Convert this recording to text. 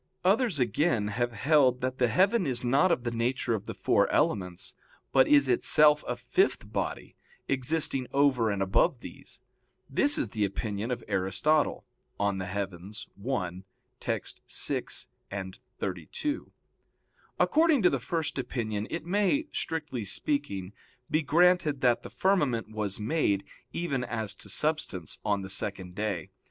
Others, again, have held that the heaven is not of the nature of the four elements, but is itself a fifth body, existing over and above these. This is the opinion of Aristotle (De Coel. i, text. 6,32). According to the first opinion, it may, strictly speaking, be granted that the firmament was made, even as to substance, on the second day.